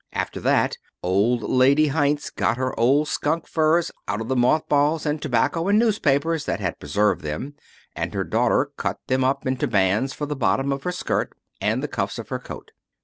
After that Old Lady Heinz got her old skunk furs out of the moth balls and tobacco and newspapers that had preserved them, and her daughter cut them up into bands for the bottom of her skirt, and the cuffs of her coat.